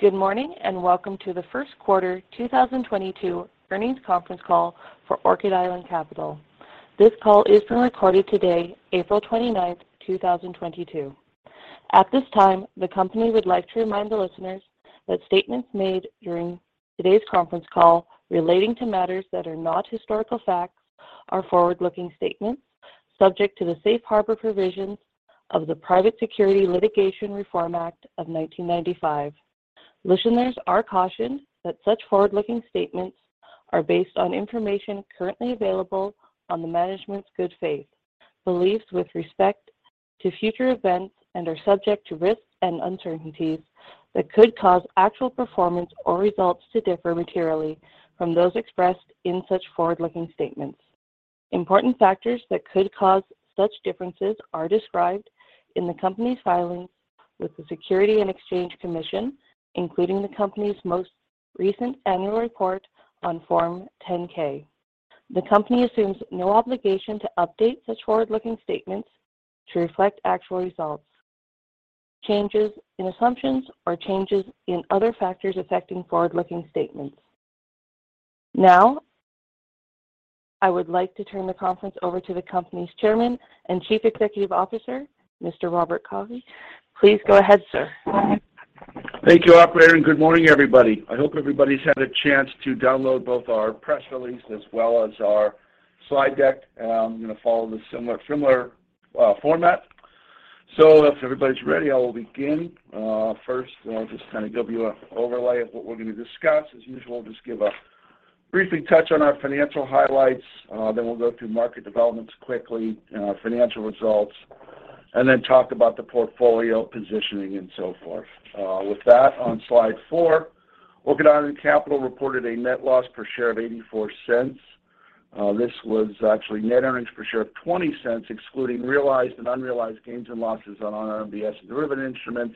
Good morning, and welcome to Q1 2022 Earnings Conference Call for Orchid Island Capital. This call is being recorded today, April 29, 2022. At this time, the company would like to remind the listeners that statements made during today's Conference Call relating to matters that are not historical facts are forward-looking statements subject to the safe harbor provisions of the Private Securities Litigation Reform Act of 1995. Listeners are cautioned that such forward-looking statements are based on information currently available on the management's good faith, beliefs with respect to future events, and are subject to risks and uncertainties that could cause actual performance or results to differ materially from those expressed in such forward-looking statements. Important factors that could cause such differences are described in the company's filings with the Securities and Exchange Commission, including the company's most recent annual report on Form 10-K. The company assumes no obligation to update such forward-looking statements to reflect actual results, changes in assumptions, or changes in other factors affecting forward-looking statements. Now, I would like to turn the conference over to the company's Chairman and Chief Executive Officer, Mr. Robert Cauley. Please go ahead, sir. Thank you, operator, and good morning, everybody. I hope everybody's had a chance to download both our press release as well as our slide deck. I'm gonna follow a similar format. If everybody's ready, I will begin. First, I'll just kind of give you an overview of what we're gonna discuss. As usual, just briefly touch on our financial highlights, then we'll go through market developments quickly and our financial results, and then talk about the portfolio positioning and so forth. With that, on slide 4, Orchid Island Capital reported a net loss per share of $0.84. This was actually net earnings per share of $0.20, excluding realized and unrealized gains and losses on RMBS and derivative instruments,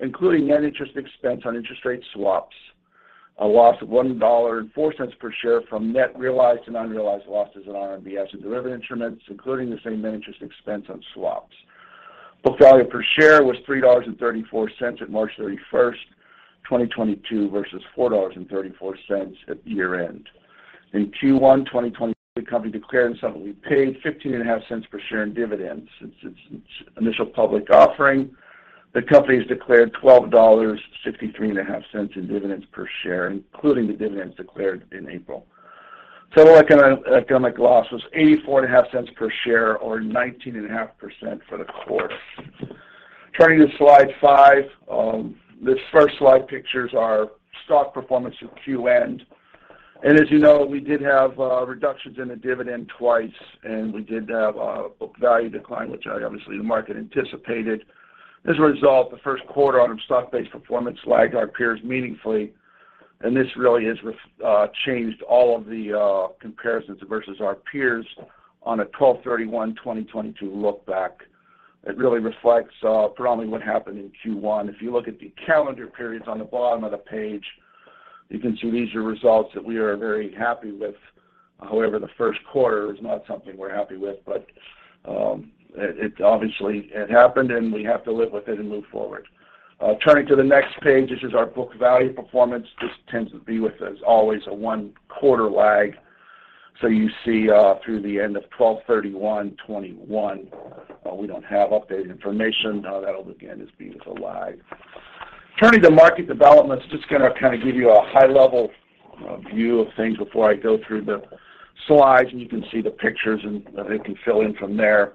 including net interest expense on interest rate swaps. A loss of $1.04 per share from net realized and unrealized losses in RMBS and derivative instruments, including the same net interest expense on swaps. Book value per share was $3.34 at March 31, 2022 versus $4.34 at year-end. In Q1 2022, the company declared and subsequently paid 15.5 cents per share in dividends. Since its initial public offering, the company has declared $12.635 in dividends per share, including the dividends declared in April. Total economic loss was $0.845 per share or 19.5% for the quarter. Turning to slide 5, this first slide pictures our stock performance at Q end. As you know, we did have reductions in the dividend twice, and we did have a book value decline, which obviously the market anticipated. As a result, Q1 on our stock-based performance lagged our peers meaningfully, and this really has changed all of the comparisons versus our peers on a 12/31/2022 look back. It really reflects probably what happened in Q1. If you look at the calendar periods on the bottom of the page, you can see these are results that we are very happy with. However, Q1 is not something we're happy with, but it obviously happened, and we have to live with it and move forward. Turning to the next page, this is our book value performance. This tends to be with as always a one-quarter lag. You see, through the end of 12/31/2021. We don't have updated information. Now that'll begin as being as a lag. Turning to market developments, just gonna kind of give you a high-level view of things before I go through the slides, and you can see the pictures and I can fill in from there.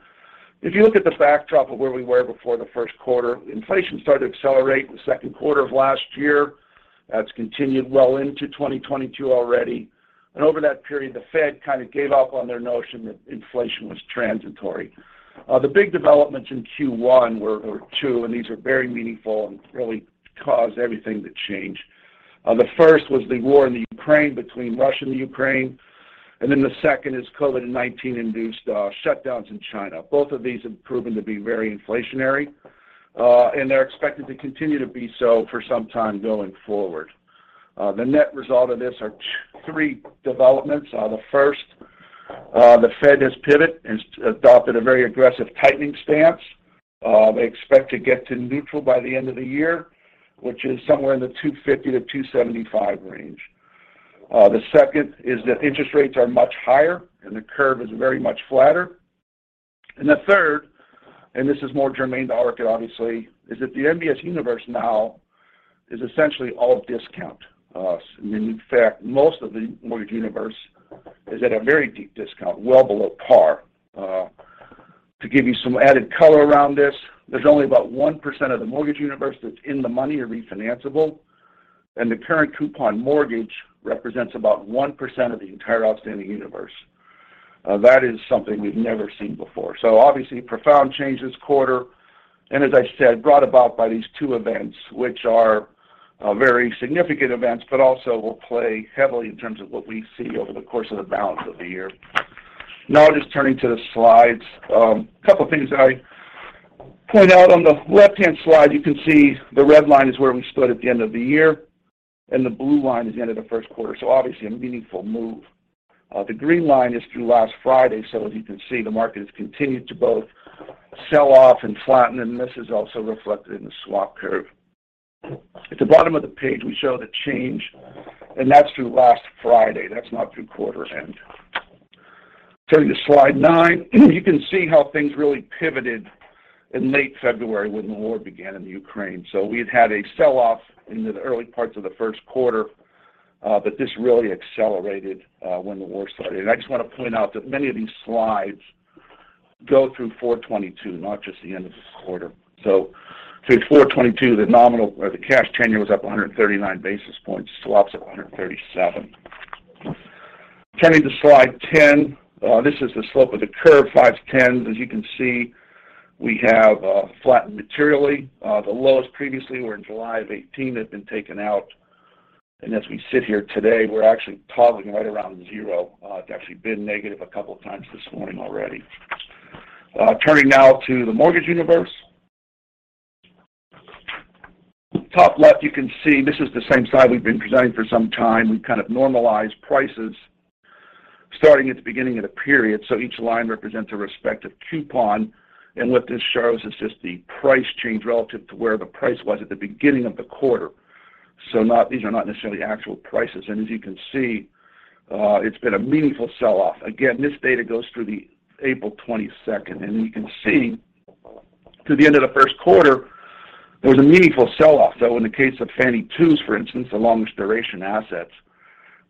If you look at the backdrop of where we were before Q1, inflation started to accelerate in Q2 of last year. That's continued well into 2022 already. Over that period, the Fed kind of gave up on their notion that inflation was transitory. The big developments in Q1 were two, and these are very meaningful and really caused everything to change. The first was the war in Ukraine between Russia and Ukraine, and then the second is COVID-19-induced shutdowns in China. Both of these have proven to be very inflationary, and they're expected to continue to be so for some time going forward. The net result of this are three developments. The first, the Fed has adopted a very aggressive tightening stance. They expect to get to neutral by the end of the year, which is somewhere in the 2.50-2.75 range. The second is that interest rates are much higher, and the curve is very much flatter. The third, and this is more germane to Orchid obviously, is that the MBS universe now is essentially all discount. I mean, in fact, most of the mortgage universe is at a very deep discount, well below par. To give you some added color around this, there's only about 1% of the mortgage universe that's in the money or refinancable. The current coupon mortgage represents about 1% of the entire outstanding universe. That is something we've never seen before. Obviously, profound change this quarter, and as I said, brought about by these two events, which are very significant events, but also will play heavily in terms of what we see over the course of the balance of the year. Now just turning to the slides. A couple things that I point out. On the left-hand slide, you can see the red line is where we stood at the end of the year. The blue line is the end of Q1. Obviously a meaningful move. The green line is through last Friday. As you can see, the market has continued to both sell off and flatten. This is also reflected in the swap curve. At the bottom of the page, we show the change. That's through last Friday. That's not through quarter end. Turning to slide nine, you can see how things really pivoted in late February when the war began in the Ukraine. We had had a sell-off into the early parts of Q1, but this really accelerated when the war started. I just want to point out that many of these slides go through 4/22, not just the end of this quarter. Through 4/22, the nominal or the cash ten-year was up 139 basis points, swaps at 137. Turning to slide 10, this is the slope of the curve, 5-10. As you can see, we have flattened materially. The lows previously were in July 2018 have been taken out. As we sit here today, we're actually toggling right around zero. It's actually been negative a couple of times this morning already. Turning now to the mortgage universe. Top left, you can see this is the same slide we've been presenting for some time. We've kind of normalized prices starting at the beginning of the period. Each line represents a respective coupon. What this shows is just the price change relative to where the price was at the beginning of the quarter. These are not necessarily actual prices. As you can see, it's been a meaningful sell-off. Again, this data goes through the April 22nd. You can see through the end of Q1, there was a meaningful sell-off. In the case of Fannie 2s, for instance, the longest duration assets,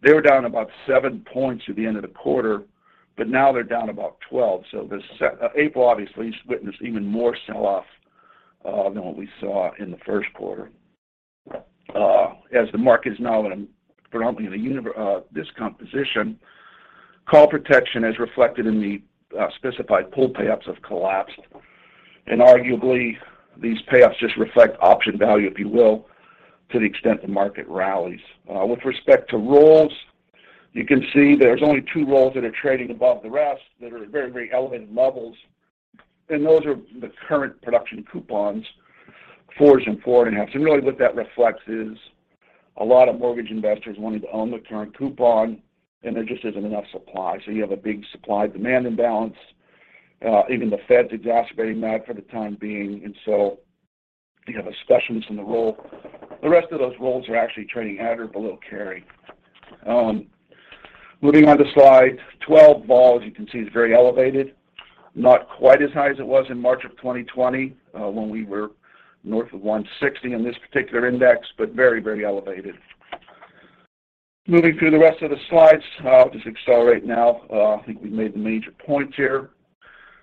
they were down about 7 points at the end of the quarter, but now they're down about 12. April obviously has witnessed even more sell-off than what we saw in Q1. As the market is now predominantly in a universe of this composition, call protection as reflected in the specified pools payoffs have collapsed. Arguably, these payoffs just reflect option value, if you will, to the extent the market rallies. With respect to rolls, you can see there's only 2 rolls that are trading above the rest that are at very, very elevated levels. Those are the current production coupons, 4s and 4.5. Really what that reflects is a lot of mortgage investors wanting to own the current coupon, and there just isn't enough supply. You have a big supply-demand imbalance. Even the Fed's exacerbating that for the time being. You have specialness in the roll. The rest of those rolls are actually trading at or below carry. Moving on to Slide 12, vol, as you can see, is very elevated. Not quite as high as it was in March of 2020 when we were north of 160 in this particular index, but very, very elevated. Moving through the rest of the slides, I'll just accelerate now. I think we've made the major point here.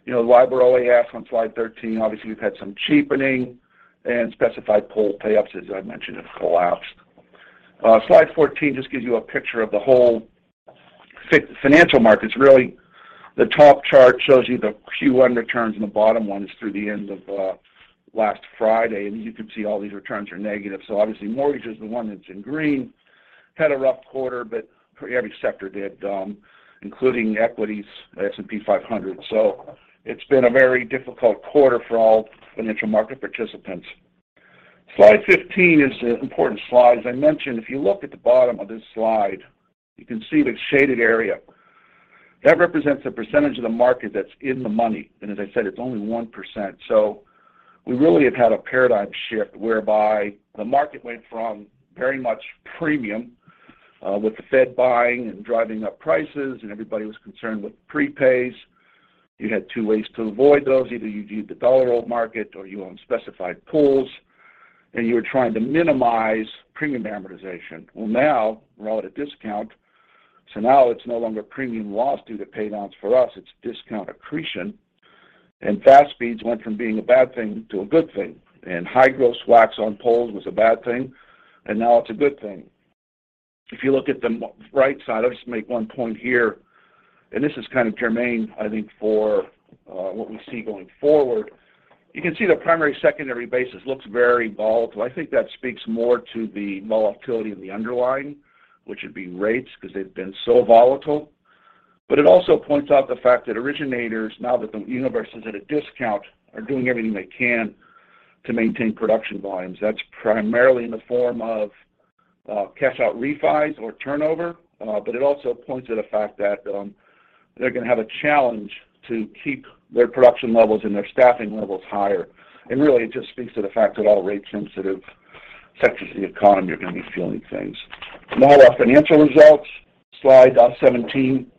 You know, the LIBOR OAS on Slide 13, obviously we've had some cheapening and specified pools payoffs, as I mentioned, have collapsed. Slide 14 just gives you a picture of the whole financial markets, really. The top chart shows you the Q1 returns and the bottom one is through the end of last Friday. You can see all these returns are negative. Obviously mortgage is the one that's in green, had a rough quarter, but every sector did, including equities, S&P 500. It's been a very difficult quarter for all financial market participants. Slide 15 is an important slide. As I mentioned, if you look at the bottom of this slide, you can see the shaded area. That represents the percentage of the market that's in the money. As I said, it's only 1%. We really have had a paradigm shift whereby the market went from very much premium with the Fed buying and driving up prices and everybody was concerned with prepays. You had two ways to avoid those. Either you'd use the dollar roll market or you own specified pools and you were trying to minimize premium amortization. Well, now we're all at a discount. Now it's no longer premium loss due to paydowns for us. It's discount accretion. Fast speeds went from being a bad thing to a good thing. High-gross WAC on pools was a bad thing. Now it's a good thing. If you look at the right side, I'll just make one point here. This is kind of germane, I think, for what we see going forward. You can see the primary-secondary spread looks very volatile. I think that speaks more to the volatility of the underlying, which would be rates because they've been so volatile. It also points out the fact that originators, now that the universe is at a discount, are doing everything they can to maintain production volumes. That's primarily in the form of cash-out refis or turnover. It also points to the fact that they're going to have a challenge to keep their production levels and their staffing levels higher. Really, it just speaks to the fact that all rate sensitive sectors of the economy are going to be feeling things. Now our financial results, slide 17.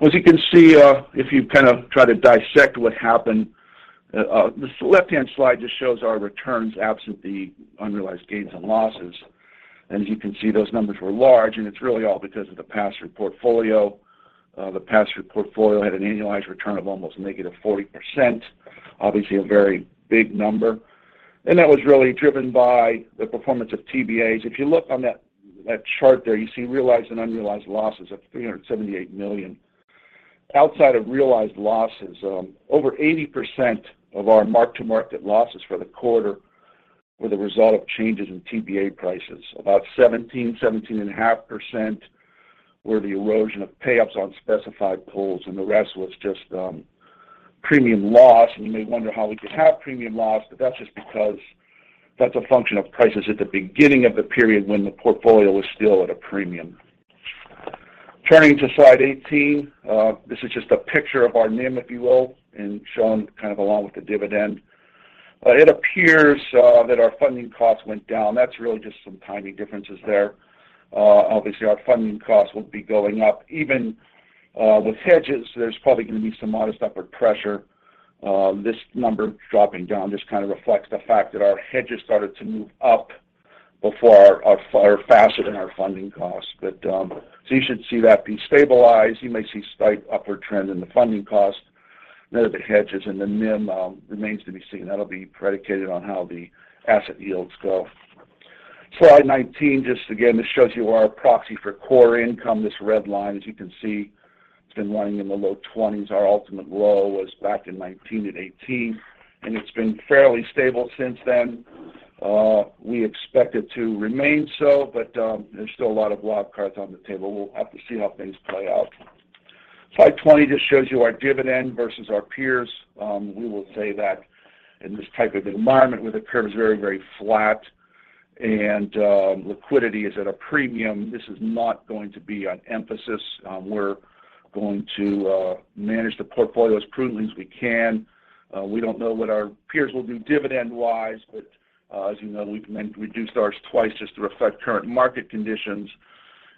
As you can see, if you kind of try to dissect what happened, the left-hand slide just shows our returns absent the unrealized gains and losses. As you can see, those numbers were large. It's really all because of the pass-through portfolio. The pass-through portfolio had an annualized return of almost negative 40%, obviously a very big number. That was really driven by the performance of TBAs. If you look on that chart there, you see realized and unrealized losses of $378 million. Outside of realized losses, over 80% of our mark-to-market losses for the quarter were the result of changes in TBA prices. About 17%, 17.5% were the erosion of pay-ups on specified pools. The rest was just premium loss. You may wonder how we could have premium loss, but that's just because that's a function of prices at the beginning of the period when the portfolio was still at a premium. Turning to slide 18, this is just a picture of our NIM, if you will, and shown kind of along with the dividend. It appears that our funding costs went down. That's really just some timing differences there. Obviously, our funding costs will be going up. Even with hedges, there's probably gonna be some modest upward pressure. This number dropping down just kind of reflects the fact that our hedges started to move up faster than our funding costs. You should see that be stabilized. You may see slight upward trend in the funding cost. Net of the hedges in the NIM remains to be seen. That'll be predicated on how the asset yields go. Slide 19, just again, this shows you our proxy for core income. This red line, as you can see, it's been running in the low 20s. Our ultimate low was back in 2019 and 2018, and it's been fairly stable since then. We expect it to remain so, but there's still a lot of wild cards on the table. We'll have to see how things play out. Slide 20 just shows you our dividend versus our peers. We will say that in this type of environment where the curve is very, very flat and liquidity is at a premium, this is not going to be an emphasis. We're going to manage the portfolio as prudently as we can. We don't know what our peers will do dividend-wise, but as you know, we've reduced ours twice just to reflect current market conditions.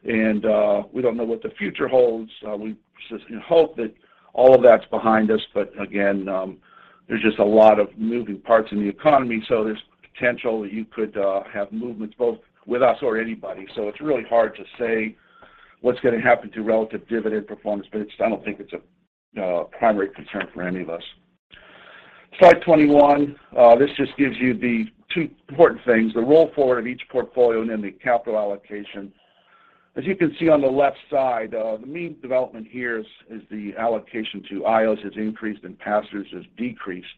We don't know what the future holds. We just, you know, hope that all of that's behind us. Again, there's just a lot of moving parts in the economy, so there's potential that you could have movements both with us or anybody. It's really hard to say what's gonna happen to relative dividend performance, but I don't think it's a primary concern for any of us. Slide 21, this just gives you the two important things, the roll forward of each portfolio and then the capital allocation. As you can see on the left side, the main development here is the allocation to IOs has increased and pass-throughs has decreased.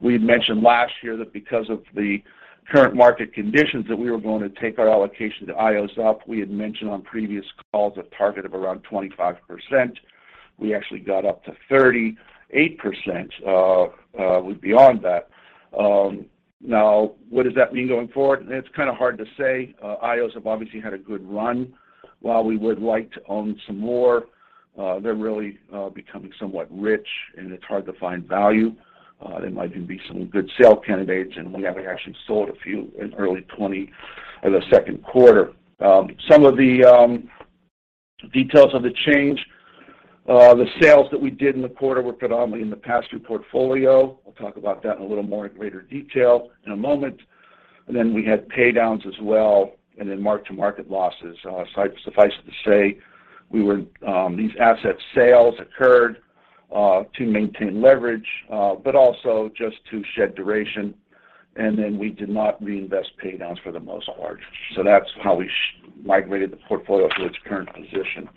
We had mentioned last year that because of the current market conditions that we were going to take our allocation to IOs up. We had mentioned on previous calls a target of around 25%. We actually got up to 38%, beyond that. Now, what does that mean going forward? It's kind of hard to say. IOs have obviously had a good run. While we would like to own some more, they're really becoming somewhat rich, and it's hard to find value. There might even be some good sale candidates, and we have actually sold a few in early 2020 in Q2. Some of the details of the change. The sales that we did in the quarter were predominantly in the pass-through portfolio. We'll talk about that in a little more greater detail in a moment. We had pay-downs as well, and then mark-to-market losses. Suffice it to say, these asset sales occurred to maintain leverage, but also just to shed duration. We did not reinvest pay-downs for the most part. That's how we migrated the portfolio to its current position.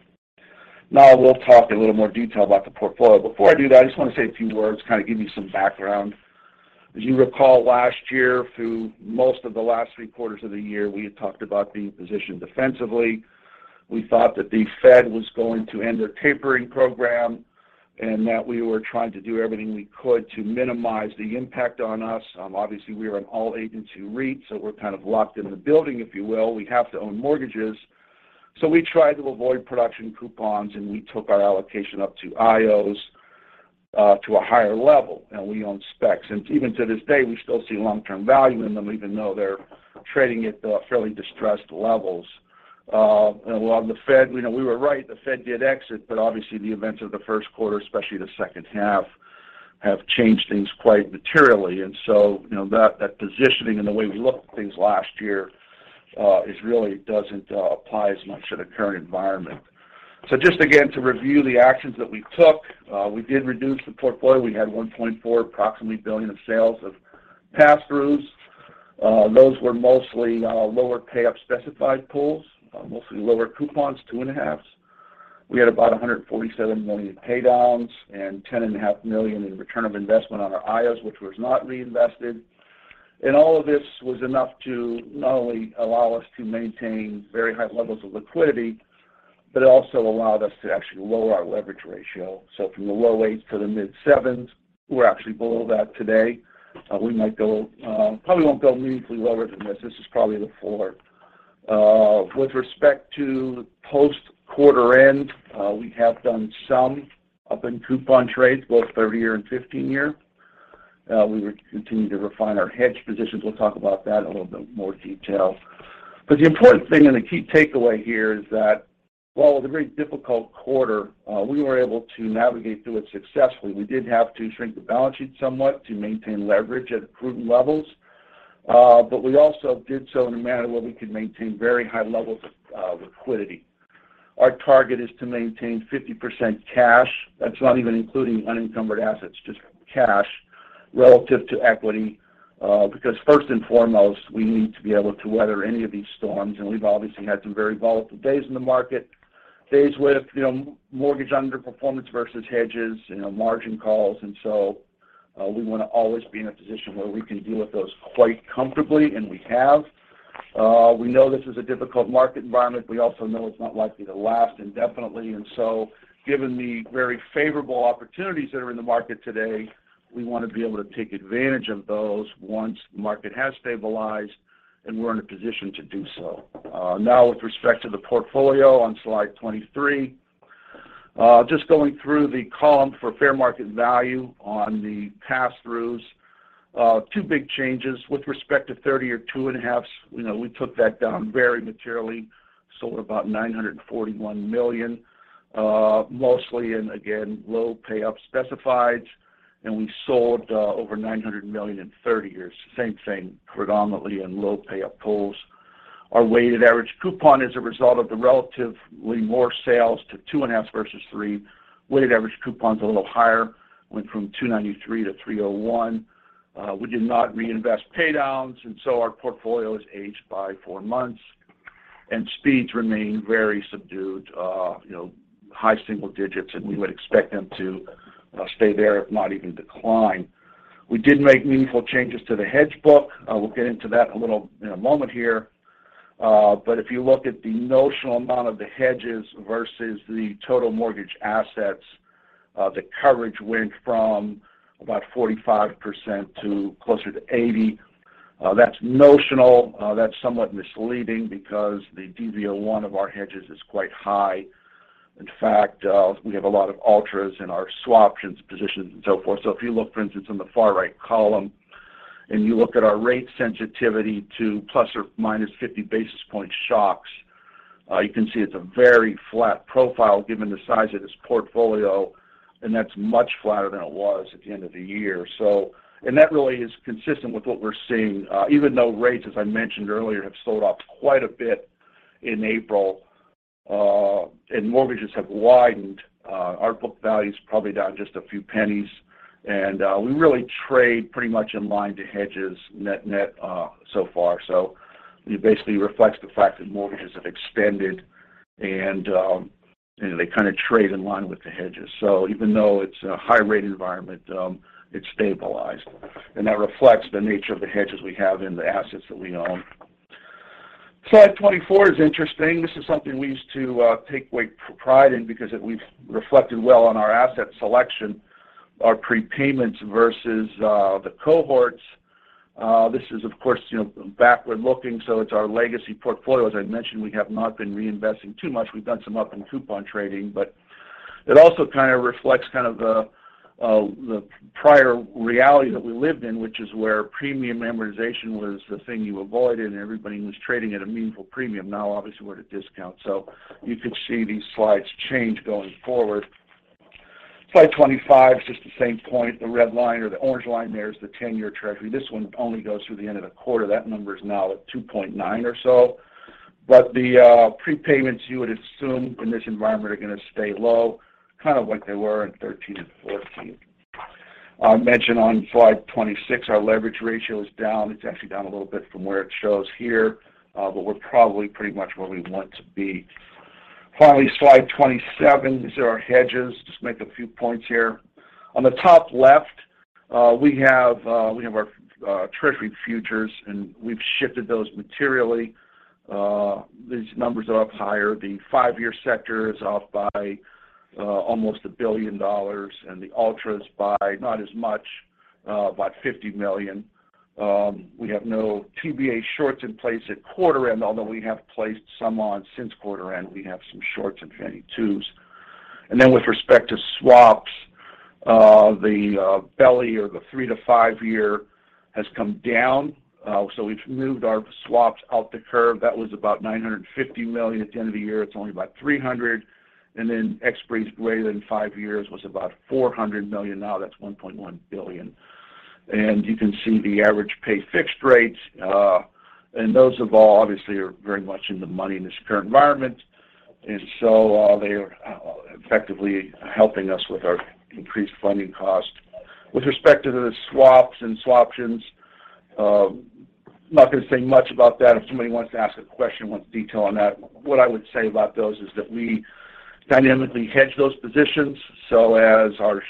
Now we'll talk in a little more detail about the portfolio. Before I do that, I just want to say a few words, kind of give you some background. As you recall last year, through most of the last three quarters of the year, we had talked about being positioned defensively. We thought that the Fed was going to end their tapering program, and that we were trying to do everything we could to minimize the impact on us. Obviously, we are an all-agency REIT, so we're kind of locked in the building, if you will. We have to own mortgages. We tried to avoid production coupons, and we took our allocation up to IOs to a higher level, and we own specs. Even to this day, we still see long-term value in them, even though they're trading at fairly distressed levels. While the Fed. You know, we were right, the Fed did exit, but obviously the events of Q1, especially the second half, have changed things quite materially. You know, that positioning and the way we looked at things last year is really doesn't apply as much to the current environment. Just again, to review the actions that we took, we did reduce the portfolio. We had approximately $1.4 billion of sales of pass-throughs. Those were mostly lower pay-up specified pools, mostly lower coupons, 2.5s. We had about $147 million in pay-downs and $10.5 million in return of investment on our IOs, which was not reinvested. All of this was enough to not only allow us to maintain very high-levels of liquidity, but it also allowed us to actually lower our leverage ratio. From the low 8s to the mid 7s, we're actually below that today. We probably won't go meaningfully lower than this. This is probably the floor. With respect to post-quarter-end, we have done some up-in-coupon trades, both 30-year and 15-year. We will continue to refine our hedge positions. We'll talk about that in a little bit more detail. The important thing and the key takeaway here is that while it was a very difficult quarter, we were able to navigate through it successfully. We did have to shrink the balance sheet somewhat to maintain leverage at prudent levels. We also did so in a manner where we could maintain very high-levels of liquidity. Our target is to maintain 50% cash. That's not even including unencumbered assets, just cash relative to equity, because first and foremost, we need to be able to weather any of these storms. We've obviously had some very volatile days in the market, days with, you know, mortgage underperformance versus hedges, you know, margin calls. We want to always be in a position where we can deal with those quite comfortably, and we have. We know this is a difficult market environment. We also know it's not likely to last indefinitely. Given the very favorable opportunities that are in the market today, we want to be able to take advantage of those once the market has stabilized and we're in a position to do so. Now with respect to the portfolio on slide 23, just going through the column for fair market value on the pass-throughs. Two big changes. With respect to 30-year 2.5s, you know, we took that down very materially. Sold about $941 million, mostly in, again, low pay-up specified pools. We sold over $900 million in 30-year. Same thing, predominantly in low pay-up pools. Our weighted average coupon as a result of the relatively more sales to 2.5 versus 3. Weighted average coupon's a little higher. Went from 2.93 to 3.01. We did not reinvest paydowns, and so our portfolio has aged by four months. Speeds remain very subdued, you know, high-single-digit, and we would expect them to stay there, if not even decline. We did make meaningful changes to the hedge book. We'll get into that a little in a moment here. If you look at the notional amount of the hedges versus the total mortgage assets, the coverage went from about 45% to closer to 80. That's notional. That's somewhat misleading because the DV01 of our hedges is quite high. In fact, we have a lot of ultras in our swaptions positions and so forth. If you look, for instance, on the far right column, and you look at our rate sensitivity to ±50 basis point shocks, you can see it's a very flat profile given the size of this portfolio, and that's much flatter than it was at the end of the year. That really is consistent with what we're seeing, even though rates, as I mentioned earlier, have sold off quite a bit in April, and mortgages have widened, our book value's probably down just a few pennies. We really trade pretty much in line to hedges net net, so far. It basically reflects the fact that mortgages have extended, and, you know, they kind of trade in line with the hedges. Even though it's a high-rate environment, it's stabilized. That reflects the nature of the hedges we have and the assets that we own. Slide 24 is interesting. This is something we used to take great pride in because we've reflected well on our asset selection, our prepayments versus the cohorts. This is of course, you know, backward-looking, so it's our legacy portfolio. As I mentioned, we have not been reinvesting too much. We've done some up in coupon trading, but it also kind of reflects kind of the prior reality that we lived in, which is where premium amortization was the thing you avoided, and everybody was trading at a meaningful premium. Now, obviously we're at a discount. You could see these slides change going forward. Slide 25 is just the same point. The red line or the orange line there is the 10-year Treasury. This one only goes through the end of the quarter. That number is now at 2.9 or so. The prepayments you would assume in this environment are gonna stay low, kind of like they were in 2013 and 2014. I'll mention on slide 26 our leverage ratio is down. It's actually down a little bit from where it shows here. We're probably pretty much where we want to be. Finally, slide 27. These are our hedges. Just make a few points here. On the top left, we have our Treasury futures, and we've shifted those materially. These numbers are up higher. The five-year sector is up by almost $1 billion and the ultras by not as much, about $50 million. We have no TBA shorts in place at quarter end, although we have placed some on since quarter end. We have some shorts in Fannie twos. Then with respect to swaps, the belly or the 3- to 5-year has come down. We've moved our swaps out the curve. That was about $950 million. At the end of the year, it's only about $300 million. Then expiries greater than 5-years was about $400 million. Now that's $1.1 billion. You can see the average pay fixed rates. Those have all obviously are very much in the money in this current environment. They are effectively helping us with our increased funding cost. With respect to the swaps and swaptions, I'm not gonna say much about that. If somebody wants to ask a question or wants detail on that. What I would say about those is that we dynamically hedge those positions. As our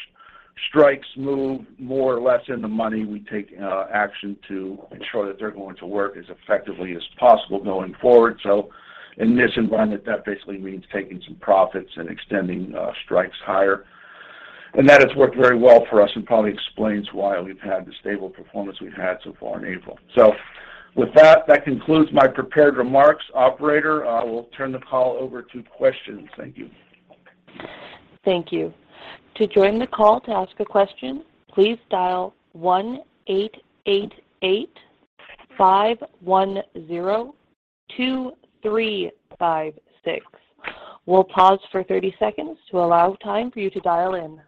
strikes move more or less in the money, we take action to ensure that they're going to work as effectively as possible going forward. In this environment, that basically means taking some profits and extending strikes higher. That has worked very well for us and probably explains why we've had the stable performance we've had so far in April. With that concludes my prepared remarks. Operator, I will turn the call over to questions. Thank you. Thank you. To join the call to ask a question, please dial 1-888-510-2356. We'll pause for 30 seconds to allow time for you to dial in.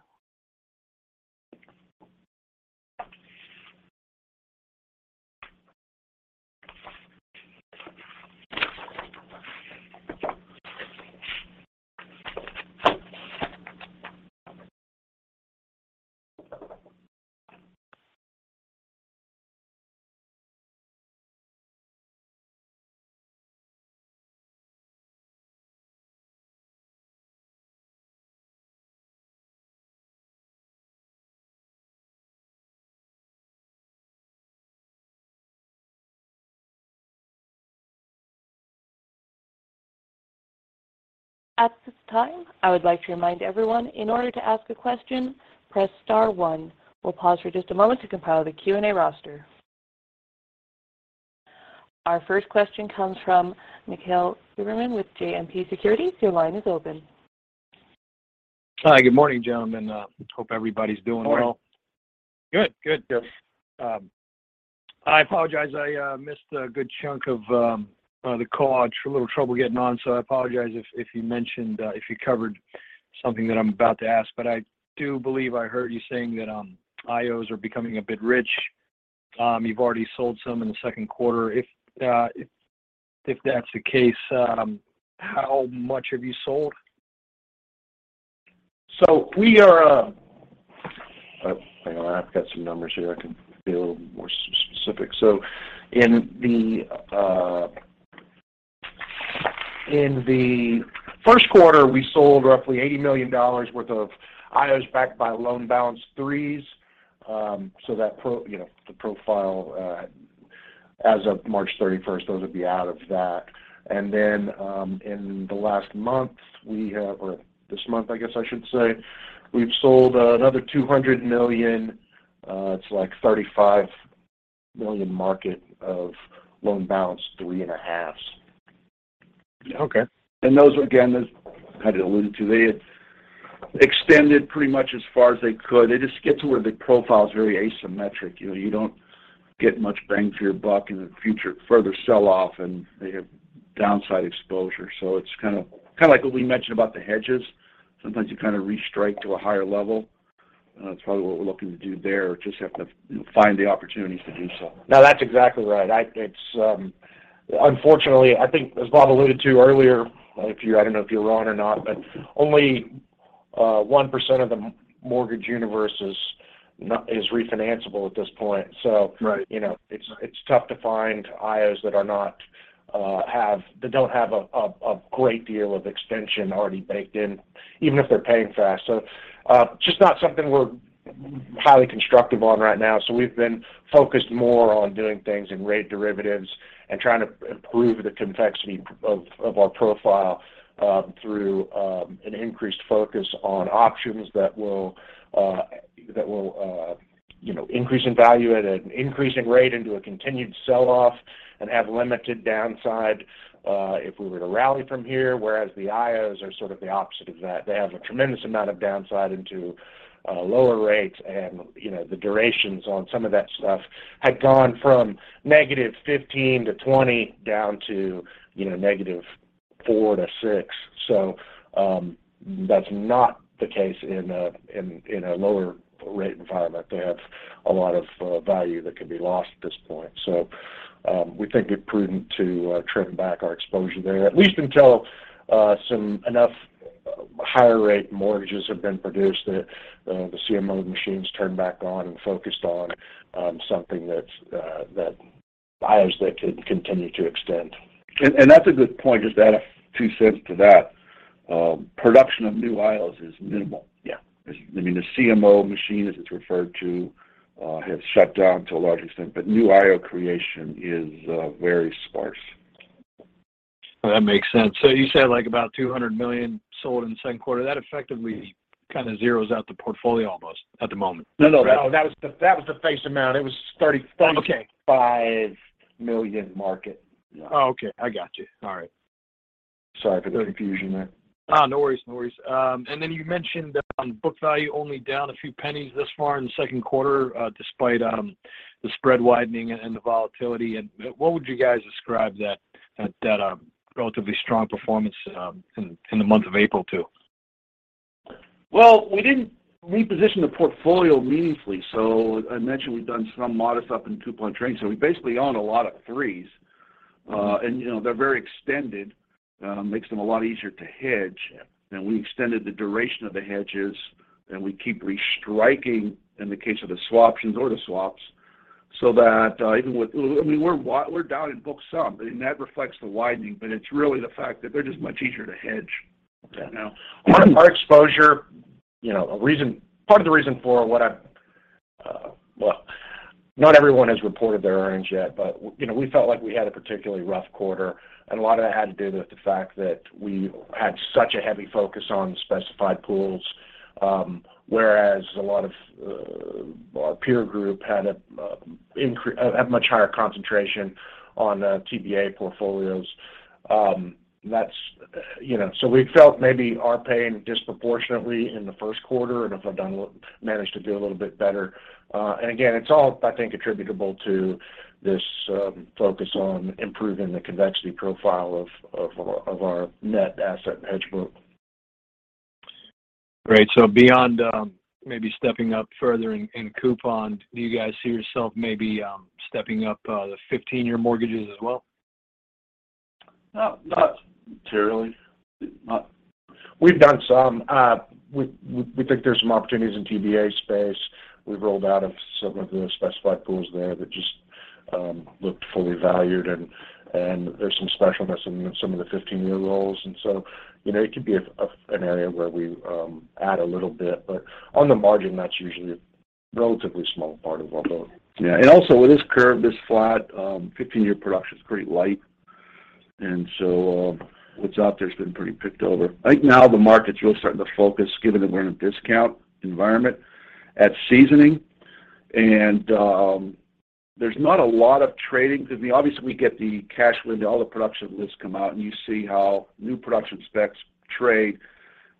At this time, I would like to remind everyone, in order to ask a question, press star one. We'll pause for just a moment to compile the Q&A roster. Our first question comes from Mikhail Goberman with JMP Securities. Your line is open. Hi, good morning, gentlemen. Hope everybody's doing well. Morning. Good. Good. I apologize I missed a good chunk of the call. I had a little trouble getting on, so I apologize if you mentioned if you covered something that I'm about to ask. I do believe I heard you saying that IOs are becoming a bit rich. You've already sold some in Q2. If that's the case, how much have you sold? Hang on, I've got some numbers here. I can be a little more specific. In Q1, we sold roughly $80 million worth of IOs backed by loan balance threes. You know, the profile as of March 31st, those would be out of that. In the last month or this month, I guess I should say, we've sold another $200 million, it's like $35 million market of loan balance three and a halves. Okay. Those, again, as kind of alluded to, they extended pretty much as far as they could. They just get to where the profile's very asymmetric. You know, you don't get much bang for your buck in a future further sell-off, and they have downside exposure. It's kinda like what we mentioned about the hedges. Sometimes you kind of restrike to a higher level. That's probably what we're looking to do there, just have to, you know, find the opportunities to do so. No, that's exactly right. Unfortunately, I think as Bob alluded to earlier, I don't know if you're on or not, but only 1% of the mortgage universe is refinanceable at this point. Right you know, it's tough to find IOs that don't have a great deal of extension already baked in, even if they're paying fast. Just not something we're highly constructive on right now, we've been focused more on doing things in rate derivatives and trying to improve the convexity of our profile through an increased focus on options that will you know, increase in value at an increasing rate into a continued sell-off and have limited downside if we were to rally from here. Whereas the IOs are sort of the opposite of that. They have a tremendous amount of downside into lower rates and, you know, the durations on some of that stuff had gone from negative 15 to 20 down to, you know, negative 4 to 6. That's not the case in a lower rate environment. They have a lot of value that can be lost at this point. We think it prudent to trim back our exposure there, at least until enough higher rate mortgages have been produced that the CMO machine's turned back on and focused on something that's IOs that can continue to extend. That's a good point. Just to add two cents to that. Production of new IOs is minimal. Yeah. I mean, the CMO machine, as it's referred to, has shut down to a large extent, but new IO creation is very sparse. That makes sense. You said, like about $200 million sold in Q2. That effectively kind of zeros out the portfolio almost at the moment. No, no. That was the face amount. It was 30- Okay $35 million market. Yeah. Oh, okay. I got you. All right. Sorry for the confusion there. Oh, no worries. You mentioned on book value only down a few pennies thus far in Q2, despite the spread widening and the volatility. What would you guys ascribe that relatively strong performance in the month of April to? Well, we didn't reposition the portfolio meaningfully. I mentioned we've done some modest up in coupon trading, so we basically own a lot of threes. You know, they're very extended, makes them a lot easier to hedge. We extended the duration of the hedges, and we keep restriking in the case of the swaptions or the swaps so that, even with-- I mean, we're down in books some, and that reflects the widening, but it's really the fact that they're just much easier to hedge. Okay. Now, part of the reason for what I've. Well, not everyone has reported their earnings yet, but you know, we felt like we had a particularly rough quarter, and a lot of that had to do with the fact that we had such a heavy focus on the specified pools. Whereas a lot of our peer group had a much higher concentration on TBA portfolios. That's, you know. We felt maybe our pain disproportionately in Q2 and have managed to do a little bit better. Again, it's all, I think, attributable to this focus on improving the convexity profile of our net asset hedge book. Great. Beyond maybe stepping up further in coupon, do you guys see yourself maybe stepping up the 15-year mortgages as well? No, not materially. We've done some. We think there's some opportunities in TBA space. We've rolled out of some of the specified pools there that just Looked fully valued and there's some specialness in some of the 15-year rolls. You know, it could be an area where we add a little bit, but on the margin, that's usually a relatively small part of our build. Yeah. With this curve, this flat 15-year production is pretty light. What's out there has been pretty picked over. I think now the market's really starting to focus, given that we're in a discount environment at seasoning. There's not a lot of trading because obviously we get the cash when all the production lists come out, and you see how new production specs trade.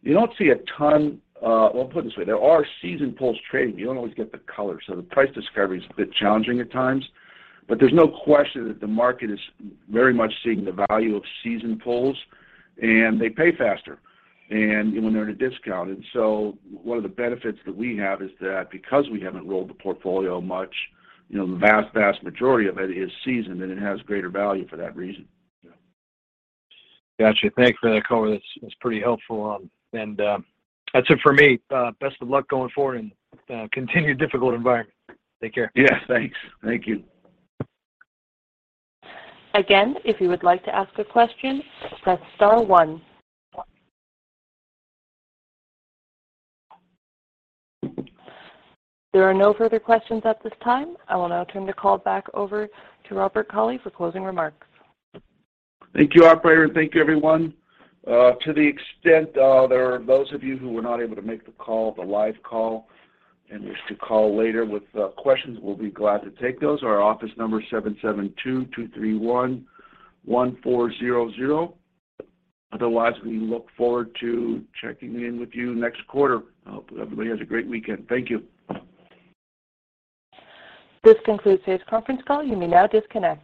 You don't see a ton. Well, put it this way, there are seasoned pools trading. You don't always get the color, so the price discovery is a bit challenging at times. There's no question that the market is very much seeing the value of seasoned pools, and they pay faster and when they're at a discount. One of the benefits that we have is that because we haven't rolled the portfolio much, you know, the vast majority of it is seasoned, and it has greater value for that reason. Yeah. Got you. Thank you for that color. That's pretty helpful. That's it for me. Best of luck going forward in a continued difficult environment. Take care. Yeah. Thanks. Thank you. Again, if you would like to ask a question, press star one. There are no further questions at this time. I will now turn the call back over to Robert Cauley for closing remarks. Thank you, operator, and thank you, everyone. To the extent, there are those of you who were not able to make the call, the live call, and wish to call later with questions, we'll be glad to take those. Our office number is 772-231-1400. Otherwise, we look forward to checking in with you next quarter. I hope everybody has a great weekend. Thank you. This concludes today's Conference Call. You may now disconnect.